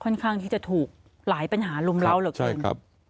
ค่อนข้างที่จะถูกหลายปัญหาลุมเลาเหลือเกิน